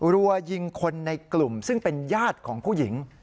รัวยิงคนในกลุ่มซึ่งเป็นญาติของผู้หญิง